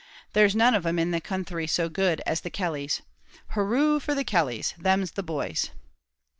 There's none of 'em in the counthry so good as the Kellys. Hoorroo for the Kellys! them's the boys."